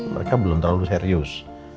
mereka belum terlalu serius